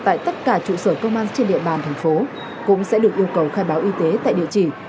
tại tất cả trụ sở công an trên địa bàn thành phố cũng sẽ được yêu cầu khai báo y tế tại địa chỉ